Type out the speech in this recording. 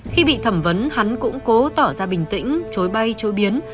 khi bị thẩm vấn hắn cũng cố tỏ ra bình tĩnh chối bay chối biến